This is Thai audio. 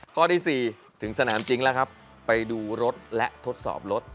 ข้อที่๔ถึงสนามจริงแล้วครับไปดูรถและทดสอบรถ